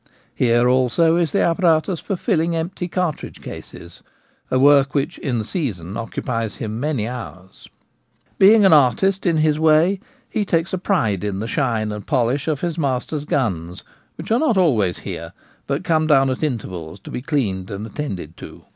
Here, also, is the apparatus for filling empty cartridge cases — a work which in the season occupies him many hours. Being an artist in his way, he takes a pride in the shine and polish of his master's guns, which are not always here, but come down at intervals to be cleaned and attended to.